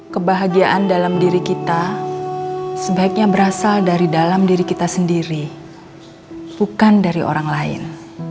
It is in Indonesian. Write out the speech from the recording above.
kebahagiaan dalam diri kita sebaiknya berasal dari dalam diri kita sendiri bukan dari orang lain